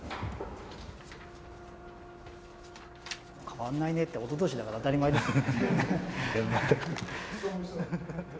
変わんないねっておととしだから当たり前か。